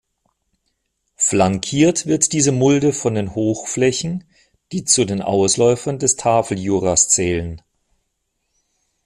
Flankiert wird diese Mulde von den Hochflächen, die zu den Ausläufern des Tafeljuras zählen.